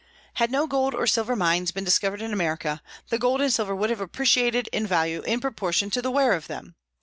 Had no gold or silver mines been discovered in America, the gold and silver would have appreciated in value in proportion to the wear of them.